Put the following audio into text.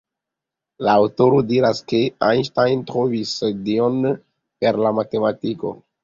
La aŭtoro diras ke Einstein trovis Dion per la matematiko.